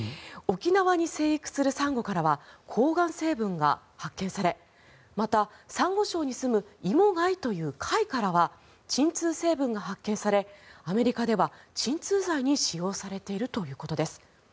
沖縄に生育するサンゴからは抗がん成分が発見されまたサンゴ礁にすむイモガイという貝からは鎮痛成分が発見されアメリカでは鎮痛剤に使用されているということです。